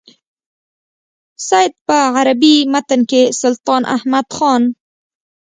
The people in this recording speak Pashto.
سید په عربي متن کې سلطان احمد خان.